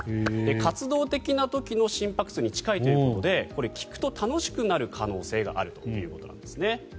活動的な時の心拍数に近いということで聴くと楽しくなる可能性があるということなんですね。